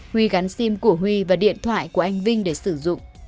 huy gắn sim của huy và điện thoại của anh vinh để sử dụng